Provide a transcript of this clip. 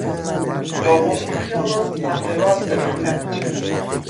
دومین خیابان سمت راست تان بپیچید.